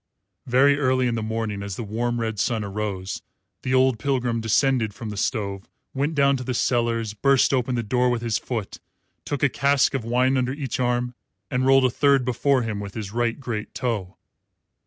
Very early in the morning, as the warm red sun arose, the old pilgrim descended from the stove, went down to the cellars, burst open the door with his foot, took a cask of wine under each arm and rolled a third before him with his right great toe.